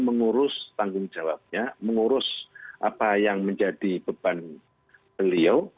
mengurus tanggung jawabnya mengurus apa yang menjadi beban beliau